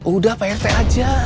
udah prt aja